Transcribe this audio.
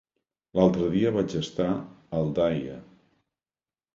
L'altre dia vaig estar a Aldaia.